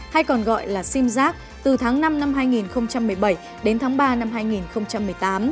hay còn gọi là sim giác từ tháng năm năm hai nghìn một mươi bảy đến tháng ba năm hai nghìn một mươi tám